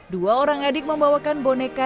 dua orang adik membawakan boneka